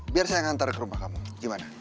biar saya ngantar ke rumah kamu gimana